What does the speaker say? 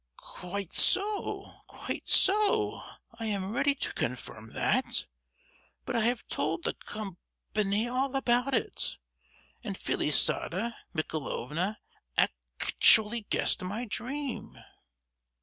"Quite so—quite so; I am ready to confirm that! But I have told the com—pany all about it, and Felisata Michaelovna ac—tually guessed my dream!"